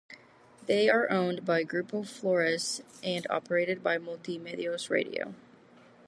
They are owned by Grupo Flores and operated by Multimedios Radio.